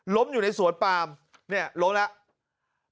ล้มอยู่ในสวนปาล์มนี่ล้มลโแล้ว